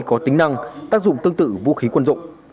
có tính năng tác dụng tương tự vũ khí quân dụng